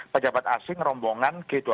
pejabat asing rombongan g dua puluh